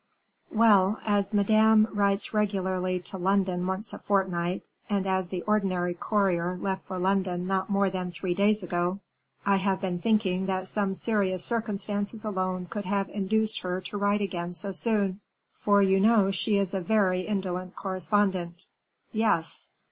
"Well; as Madame writes regularly to London once a fortnight, and as the ordinary courier left for London not more than three days ago, I have been thinking that some serious circumstance alone could have induced her to write again so soon, for you know she is a very indolent correspondent." "Yes."